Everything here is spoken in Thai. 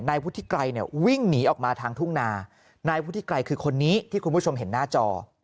ในวิ่งหนีออกมาทางทุ่งนาคือคนนี้ที่คุณชมเห็นหน้าจอ